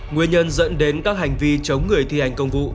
nguyên nhân dẫn đến các hành vi chống người thi hành công vụ